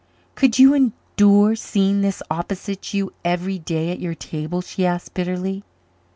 "Could you endure seeing this opposite to you every day at your table?" she asked bitterly.